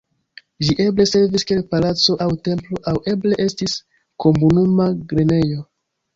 Ĝi eble servis kiel palaco aŭ templo aŭ eble estis komunuma grenejo.